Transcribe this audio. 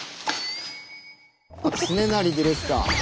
恒成ディレクター。